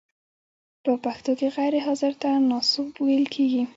په پښتو کې غیر حاضر ته ناسوب ویل کیږی.